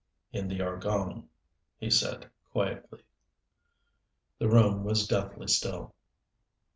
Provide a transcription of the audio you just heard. "In the Argonne," he said, quietly. The room was deathly still.